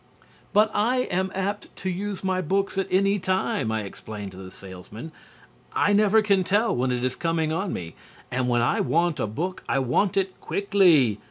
"But I am apt to use my books at any time," I explain to the salesman. "I never can tell when it is coming on me. And when I want a book I want it quickly.